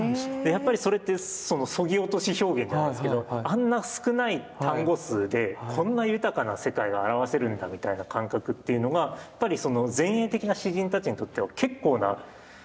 やっぱりそれってそのそぎ落とし表現じゃないですけどあんな少ない単語数でこんな豊かな世界が表せるんだみたいな感覚っていうのがやっぱり前衛的な詩人たちにとっては結構な驚きだったみたいで。